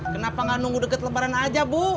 kenapa nggak nunggu deket lebaran aja bu